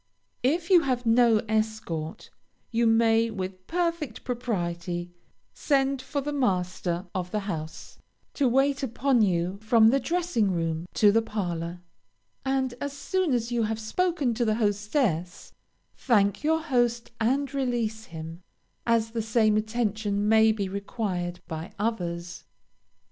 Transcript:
If you have no escort, you may with perfect propriety send for the master of the house, to wait upon you from the dressing room to the parlor, and as soon as you have spoken to the hostess, thank your host and release him, as the same attention may be required by others.